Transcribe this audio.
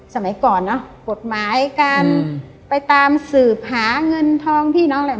สมัยก่อนเนอะกฎหมายการไปตามสืบหาเงินทองพี่น้องอะไร